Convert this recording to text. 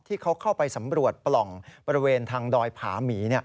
ที่เขาเข้าไปสำรวจปล่องบริเวณทางดอยผาหมี